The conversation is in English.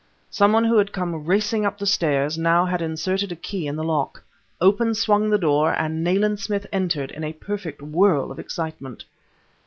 Some one who had come racing up the stairs, now had inserted a key in the lock. Open swung the door and Nayland Smith entered, in a perfect whirl of excitement.